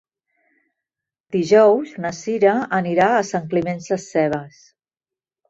Dijous na Sira anirà a Sant Climent Sescebes.